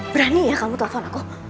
berani ya kamu telpon aku